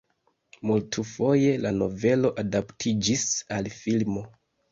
Multfoje la novelo adaptiĝis al filmo.